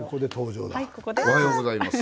おはようございます。